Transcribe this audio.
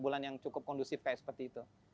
bulan yang cukup kondusif kayak seperti itu